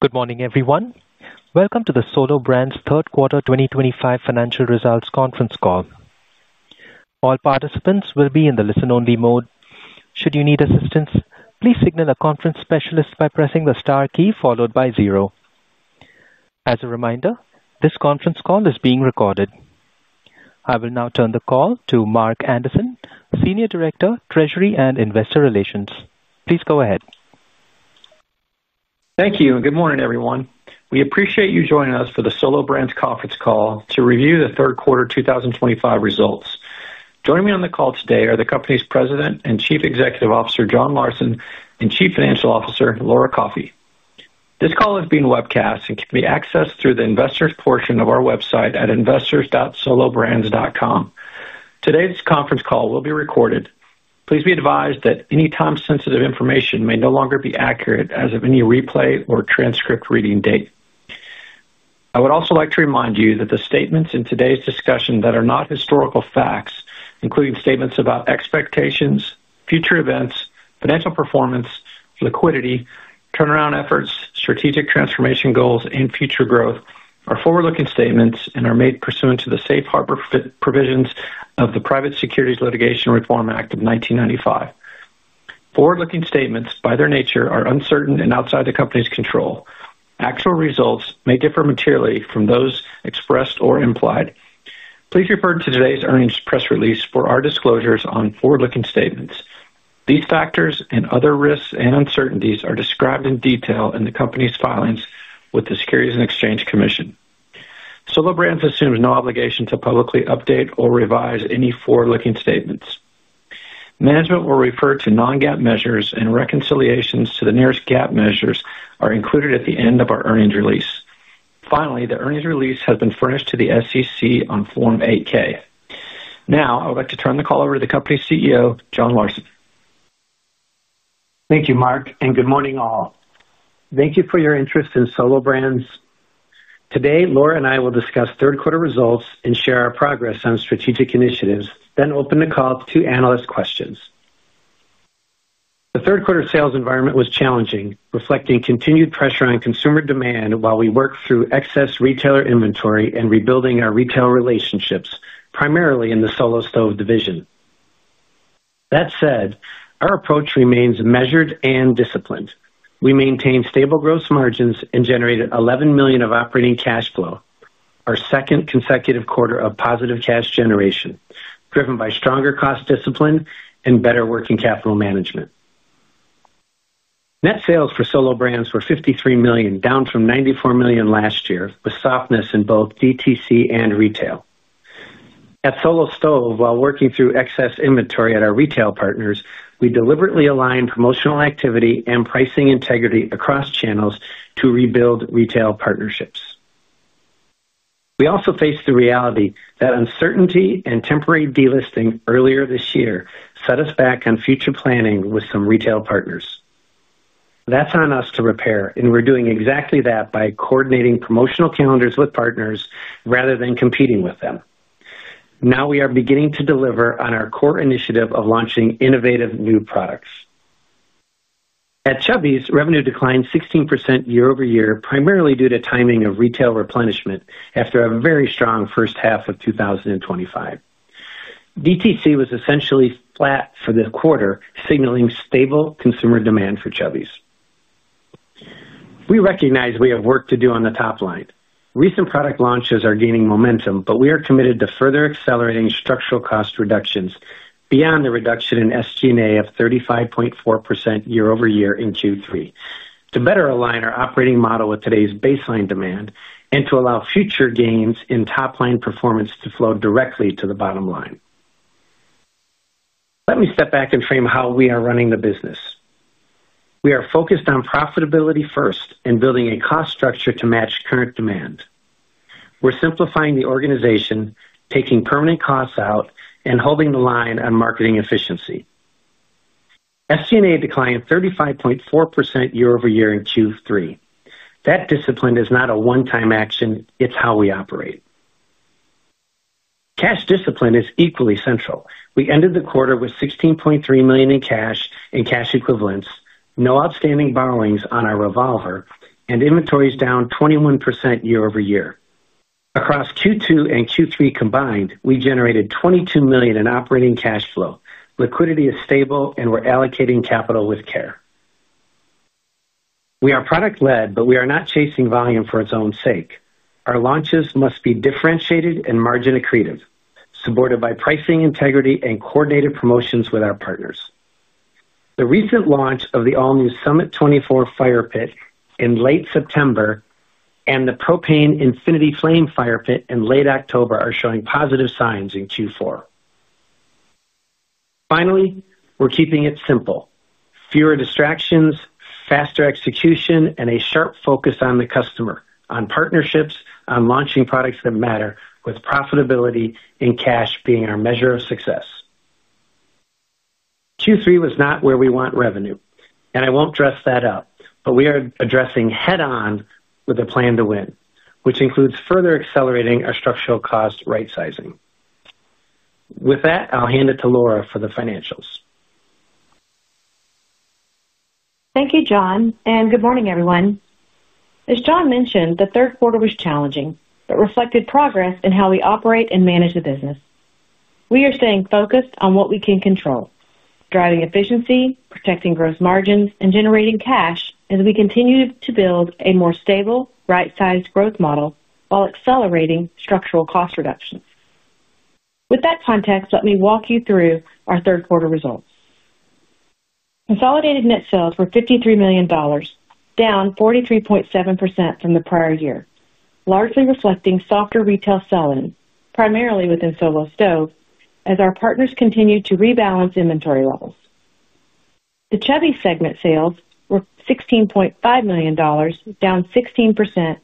Good morning, everyone. Welcome to the Solo Brands Third Quarter 2025 Financial Results Conference Call. All participants will be in the listen-only mode. Should you need assistance, please signal a conference specialist by pressing the star key followed by zero. As a reminder, this conference call is being recorded. I will now turn the call to Mark Anderson, Senior Director, Treasury and Investor Relations. Please go ahead. Thank you. Good morning, everyone. We appreciate you joining us for the Solo Brands conference call to review the Third Quarter 2025 Results. Joining me on the call today are the company's President and Chief Executive Officer, John Larson, and Chief Financial Officer, Laura Coffey. This call is being webcast and can be accessed through the Investors portion of our website at investors.solobrands.com. Today's conference call will be recorded. Please be advised that any time-sensitive information may no longer be accurate as of any replay or transcript reading date. I would also like to remind you that the statements in today's discussion that are not historical facts, including statements about expectations, future events, financial performance, liquidity, turnaround efforts, strategic transformation goals, and future growth, are forward-looking statements and are made pursuant to the safe harbor provisions of the Private Securities Litigation Reform Act of 1995. Forward-looking statements, by their nature, are uncertain and outside the company's control. Actual results may differ materially from those expressed or implied. Please refer to today's earnings press release for our disclosures on forward-looking statements. These factors and other risks and uncertainties are described in detail in the company's filings with the Securities and Exchange Commission. Solo Brands assumes no obligation to publicly update or revise any forward-looking statements. Management will refer to non-GAAP measures, and reconciliations to the nearest GAAP measures are included at the end of our earnings release. Finally, the earnings release has been furnished to the SEC on Form 8-K. Now, I would like to turn the call over to the company's CEO, John Larson. Thank you, Mark, and good morning, all. Thank you for your interest in Solo Brands. Today, Laura and I will discuss 3rd quarter results and share our progress on strategic initiatives, then open the call to two analyst questions. The 3rd quarter sales environment was challenging, reflecting continued pressure on consumer demand while we worked through excess retailer inventory and rebuilding our retail relationships, primarily in the Solo Stove division. That said, our approach remains measured and disciplined. We maintained stable gross margins and generated $11 million of operating cash flow, our 2nd consecutive quarter of positive cash generation, driven by stronger cost discipline and better working capital management. Net sales for Solo Brands were $53 million, down from $94 million last year, with softness in both DTC and retail. At Solo Stove, while working through excess inventory at our retail partners, we deliberately aligned promotional activity and pricing integrity across channels to rebuild retail partnerships. We also faced the reality that uncertainty and temporary delisting earlier this year set us back on future planning with some retail partners. That's on us to repair, and we're doing exactly that by coordinating promotional calendars with partners rather than competing with them. Now we are beginning to deliver on our core initiative of launching innovative new products. At Chubbies, revenue declined 16% year-over-year, primarily due to timing of retail replenishment after a very strong 1st half of 2025. DTC was essentially flat for the quarter, signaling stable consumer demand for Chubbies. We recognize we have work to do on the top line. Recent product launches are gaining momentum, but we are committed to further accelerating structural cost reductions beyond the reduction in SG&A of 35.4% year-over-year in Q3, to better align our operating model with today's baseline demand and to allow future gains in top-line performance to flow directly to the bottom line. Let me step back and frame how we are running the business. We are focused on profitability first and building a cost structure to match current demand. We're simplifying the organization, taking permanent costs out, and holding the line on marketing efficiency. SG&A declined 35.4% year-over-year in Q3. That discipline is not a one-time action. It's how we operate. Cash discipline is equally central. We ended the quarter with $16.3 million in cash and cash equivalents, no outstanding borrowings on our revolver, and inventories down 21% year-over-year. Across Q2 and Q3 combined, we generated $22 million in operating cash flow. Liquidity is stable, and we're allocating capital with care. We are product-led, but we are not chasing volume for its own sake. Our launches must be differentiated and margin accretive, supported by pricing integrity and coordinated promotions with our partners. The recent launch of the all-new Summit 24 Fire Pit in late September and the Propane Infinity Flame Fire Pit in late October are showing positive signs in Q4. Finally, we're keeping it simple: Fewer Distractions, Faster Execution, and a Sharp Focus on the customer, on partnerships, on launching products that matter, with profitability and cash being our measure of success. Q3 was not where we want revenue, and I won't dress that up, but we are addressing head-on with a plan to win, which includes further accelerating our structural cost right-sizing. With that, I'll hand it to Laura for the financials. Thank you, John, and good morning, everyone. As John mentioned, the 3rd quarter was challenging but reflected progress in how we operate and manage the business. We are staying focused on what we can control, driving efficiency, protecting gross margins, and generating cash as we continue to build a more stable, right-sized growth model while accelerating structural cost reductions. With that context, let me walk you through our 3rd quarter results. Consolidated net sales were $53 million, down 43.7% from the prior year, largely reflecting softer retail sell-in, primarily within Solo Stove, as our partners continued to rebalance inventory levels. The Chubbies segment sales were $16.5 million, down 16%,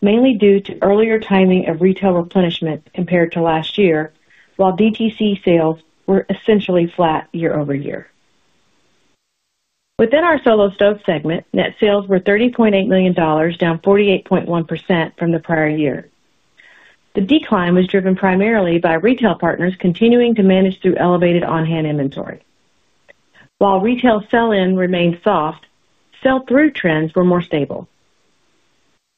mainly due to earlier timing of retail replenishment compared to last year, while DTC sales were essentially flat year-over-year. Within our Solo Stove segment, net sales were $30.8 million, down 48.1% from the prior year. The decline was driven primarily by retail partners continuing to manage through elevated on-hand inventory. While retail sell-in remained soft, sell-through trends were more stable.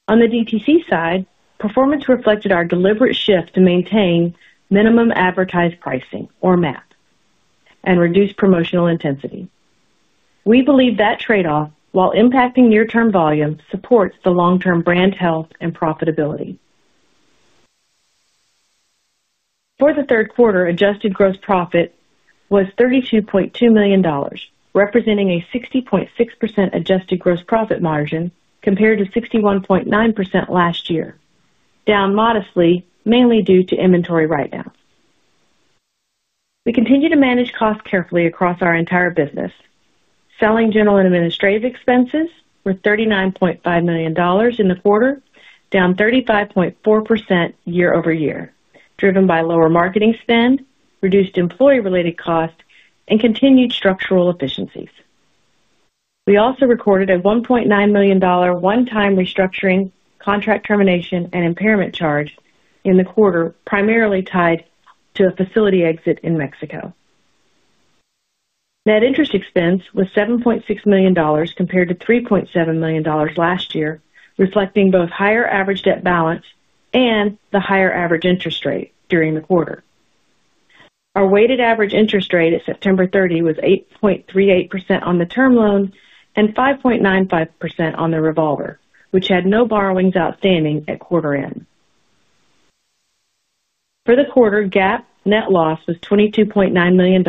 On the DTC side, performance reflected our deliberate shift to maintain minimum advertised pricing, or MAP, and reduce promotional intensity. We believe that trade-off, while impacting near-term volume, supports the long-term brand health and profitability. For the 3rd quarter, adjusted gross profit was $32.2 million, representing a 60.6% adjusted gross profit margin compared to 61.9% last year, down modestly, mainly due to inventory right now. We continue to manage costs carefully across our entire business. Selling, general and administrative expenses were $39.5 million in the quarter, down 35.4% year-over-year, driven by lower marketing spend, reduced employee-related costs, and continued structural efficiencies. We also recorded a $1.9 million one-time restructuring contract termination and impairment charge in the quarter, primarily tied to a facility exit in Mexico. Net interest expense was $7.6 million compared to $3.7 million last year, reflecting both higher average debt balance and the higher average interest rate during the quarter. Our Weighted Average Interest Rate at September 30 was 8.38% on the term loan and 5.95% on the revolver, which had no borrowings outstanding at quarter end. For the quarter, GAAP net loss was $22.9 million,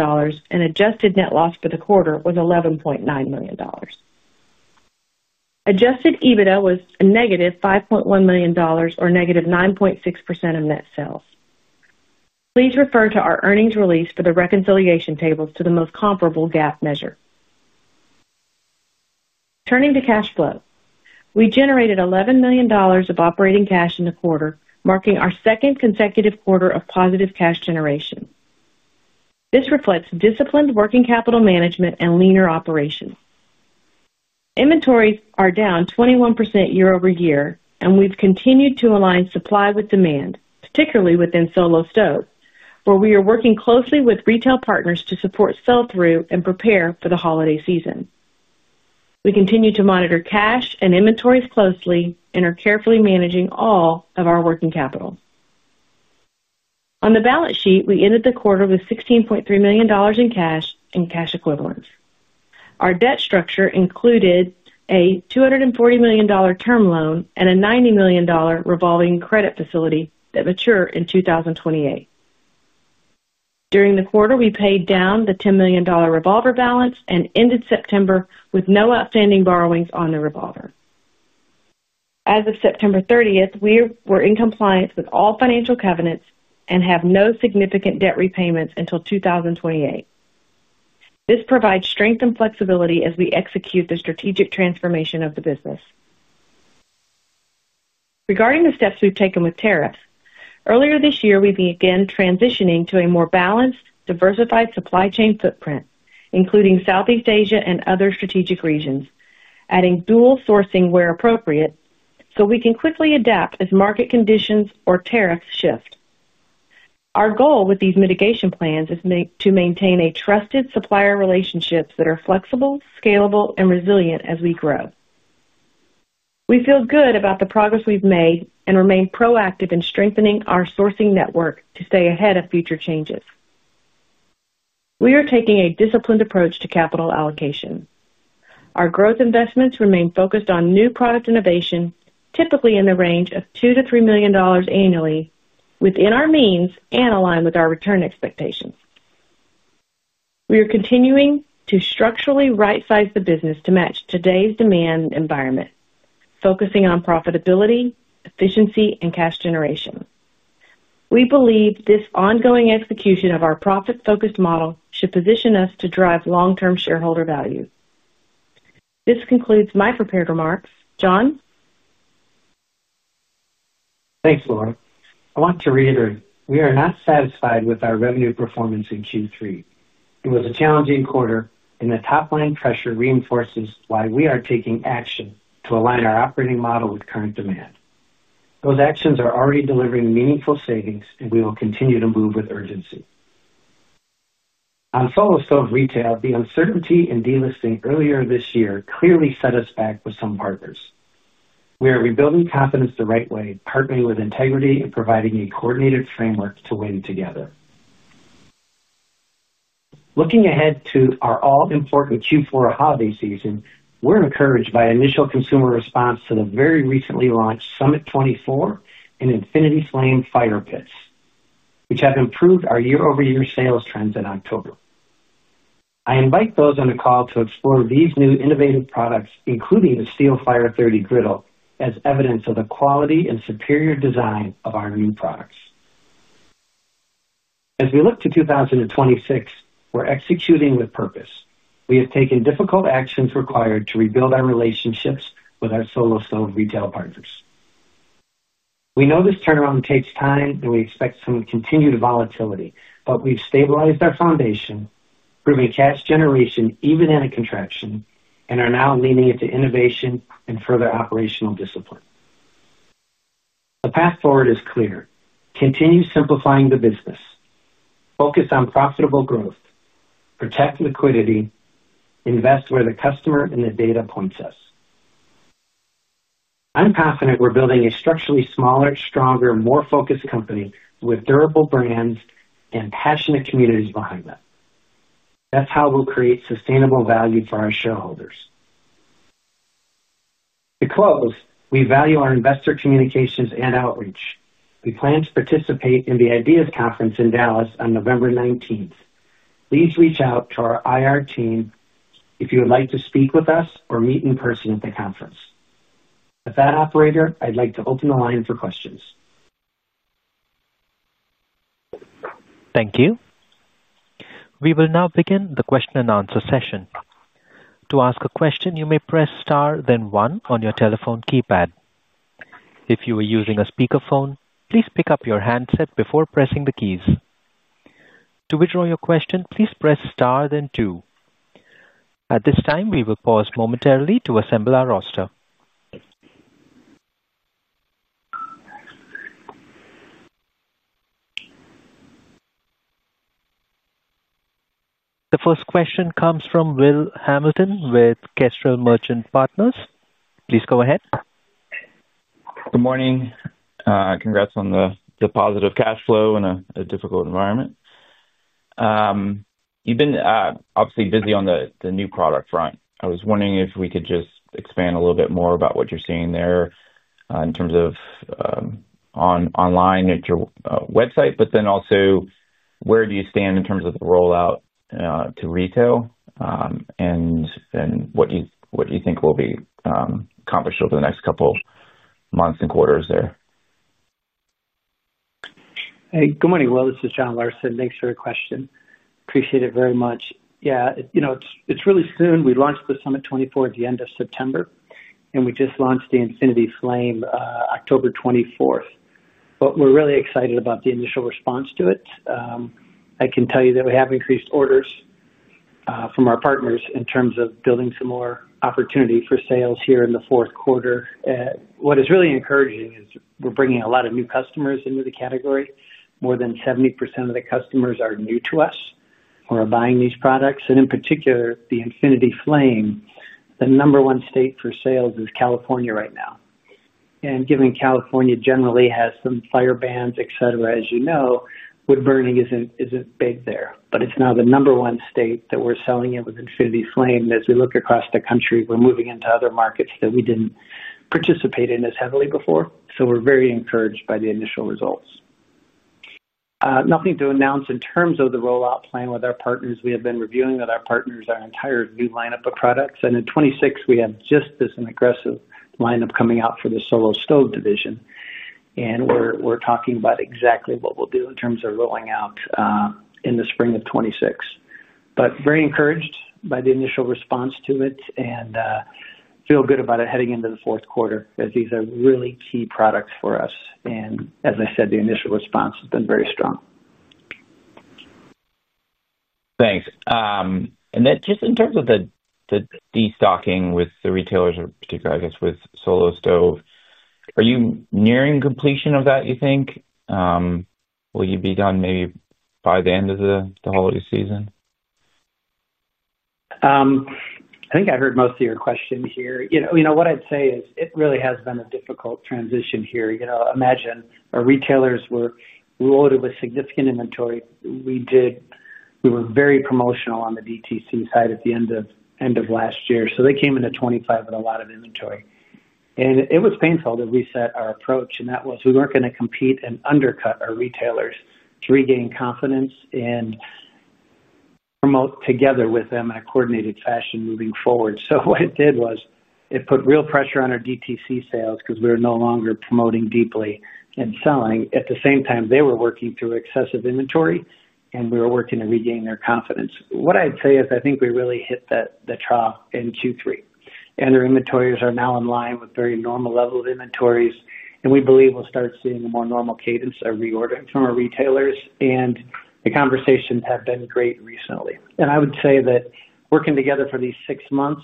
and adjusted net loss for the quarter was $11.9 million. Adjusted EBITDA was a -$5.1 million, or -9.6% of net sales. Please refer to our earnings release for the reconciliation tables to the most comparable GAAP measure. Turning to cash flow, we generated $11 million of operating cash in the quarter, marking our 2nd consecutive quarter of positive cash generation. This reflects disciplined working capital management and leaner operations. Inventories are down 21% year-over-year, and we've continued to align supply with demand, particularly within Solo Stove, where we are working closely with retail partners to support sell-through and prepare for the holiday season. We continue to monitor cash and inventories closely and are carefully managing all of our working capital. On the balance sheet, we ended the quarter with $16.3 million in cash and cash equivalents. Our debt structure included a $240 million term loan and a $90 million Revolving Credit Facility that matured in 2028. During the quarter, we paid down the $10 million revolver balance and ended September with no outstanding borrowings on the revolver. As of September 30th, we were in compliance with all Financial Covenants and have no significant debt repayments until 2028. This provides strength and flexibility as we execute the strategic transformation of the business. Regarding the steps we have taken with tariffs, earlier this year, we began transitioning to a more balanced, diversified supply chain footprint, including Southeast Asia and other strategic regions, adding dual sourcing where appropriate so we can quickly adapt as market conditions or tariffs shift. Our goal with these mitigation plans is to maintain trusted supplier relationships that are flexible, scalable, and resilient as we grow. We feel good about the progress we have made and remain proactive in strengthening our sourcing network to stay ahead of future changes. We are taking a disciplined approach to capital allocation. Our growth investments remain focused on new product innovation, typically in the range of $2-$3 million annually, within our means and aligned with our return expectations. We are continuing to structurally right-size the business to match today's demand environment, focusing on profitability, efficiency, and cash generation. We believe this ongoing execution of our profit-focused model should position us to drive long-term shareholder value. This concludes my prepared remarks. John? Thanks, Laura. I want to reiterate, we are not satisfied with our revenue performance in Q3. It was a challenging quarter, and the top-line pressure reinforces why we are taking action to align our operating model with current demand. Those actions are already delivering meaningful savings, and we will continue to move with urgency. On Solo Stove retail, the uncertainty in delisting earlier this year clearly set us back with some partners. We are rebuilding confidence the right way, partnering with integrity and providing a coordinated framework to win together. Looking ahead to our all-important Q4 holiday season, we're encouraged by initial consumer response to the very recently launched Summit 24 and Infinity Flame Fire Pits, which have improved our year-over-year sales trends in October. I invite those on the call to explore these new innovative products, including the Steelfire 30 griddle, as evidence of the quality and superior design of our new products. As we look to 2026, we're executing with purpose. We have taken difficult actions required to rebuild our relationships with our Solo Stove retail partners. We know this turnaround takes time, and we expect some continued volatility, but we've stabilized our foundation, proven cash generation even in a contraction, and are now leaning into innovation and further operational discipline. The path forward is clear. Continue simplifying the business. Focus on profitable growth. Protect liquidity. Invest where the customer and the data points us. I'm confident we're building a structurally smaller, stronger, more focused company with durable brands and passionate communities behind them. That's how we'll create sustainable value for our shareholders. To close, we value our investor communications and outreach. We plan to participate in the Ideas Conference in Dallas on November 19. Please reach out to our IR team if you would like to speak with us or meet in person at the conference. With that, operator, I'd like to open the line for questions. Thank you. We will now begin the question and answer session. To ask a question, you may press star, then one on your telephone keypad. If you are using a speakerphone, please pick up your handset before pressing the keys. To withdraw your question, please press star, then two. At this time, we will pause momentarily to assemble our roster. The first question comes from Will Hamilton with Kestrel Merchant Partners. Please go ahead. Good morning. Congrats on the positive cash flow in a difficult environment. You've been obviously busy on the new product front. I was wondering if we could just expand a little bit more about what you're seeing there in terms of online at your website, but then also, where do you stand in terms of the rollout to retail? And what you think will be accomplished over the next couple of months and quarters there? Hey, good morning, Will. This is John Larson. Thanks for your question. Appreciate it very much. Yeah, it's really soon. We launched the Summit 24 at the end of September, and we just launched the Infinity Flame October 24th. We're really excited about the initial response to it. I can tell you that we have increased orders from our partners in terms of building some more opportunity for sales here in the fourth quarter. What is really encouraging is we're bringing a lot of new customers into the category. More than 70% of the customers are new to us who are buying these products. In particular, the Infinity Flame, the number one state for sales is California right now. Given California generally has some Fire Bans, et cetera., as you know, wood burning isn't big there. It is now the number one state that we are selling it with Infinity Flame. As we look across the country, we are moving into other markets that we did not participate in as heavily before. We are very encouraged by the initial results. Nothing to announce in terms of the rollout plan with our partners. We have been reviewing with our partners our entire new lineup of products. In 2026, we have just this aggressive lineup coming out for the Solo Stove division. We are talking about exactly what we will do in terms of rolling out in the spring of 2026. We are very encouraged by the initial response to it and feel good about it heading into the fourth quarter as these are really key products for us. As I said, the initial response has been very strong. Thanks. In terms of the destocking with the retailers, particularly, I guess, with Solo Stove, are you nearing completion of that, you think? Will you be done maybe by the end of the holiday season? I think I heard most of your question here. What I'd say is it really has been a difficult transition here. Imagine our retailers were loaded with significant inventory. We were very promotional on the DTC side at the end of last year. They came into 2025 with a lot of inventory. It was painful to reset our approach. That was we weren't going to compete and undercut our retailers to regain confidence and promote together with them in a coordinated fashion moving forward. What it did was it put real pressure on our DTC sales because we were no longer promoting deeply and selling. At the same time, they were working through excessive inventory, and we were working to regain their confidence. What I'd say is I think we really hit the trough in Q3. Our inventories are now in line with very normal level of inventories. We believe we'll start seeing a more normal cadence of reordering from our retailers. The conversations have been great recently. I would say that working together for these six months.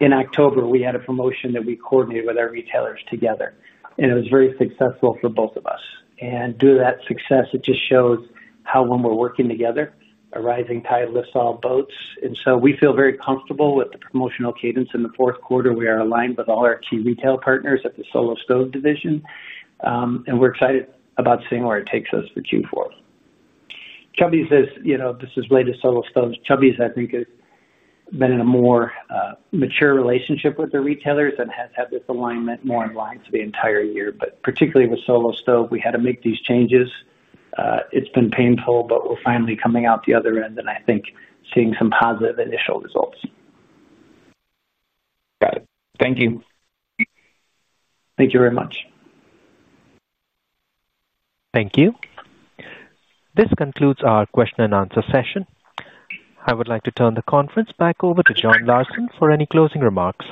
In October, we had a promotion that we coordinated with our retailers together. It was very successful for both of us. Due to that success, it just shows how when we're working together, a rising tide lifts all boats. We feel very comfortable with the promotional cadence in the 4th quarter. We are aligned with all our key retail partners at the Solo Stove division. We're excited about seeing where it takes us for Q4. Chubbies says, "This is late at Solo Stove." Chubbies, I think, has been in a more mature relationship with the retailers and has had this alignment more in line for the entire year. Particularly with Solo Stove, we had to make these changes. It's been painful, but we're finally coming out the other end and I think seeing some positive initial results. Got it. Thank you. Thank you very much. Thank you. This concludes our question and answer session. I would like to turn the conference back over to John Larson for any closing remarks.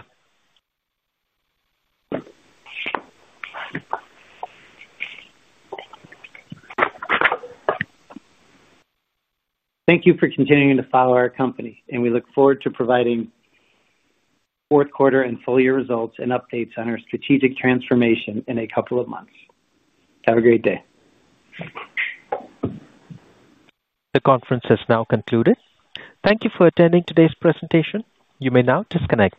Thank you for continuing to follow our company. We look forward to providing 4th quarter and full-year results and updates on our strategic transformation in a couple of months. Have a great day. The conference has now concluded. Thank you for attending today's presentation. You may now disconnect.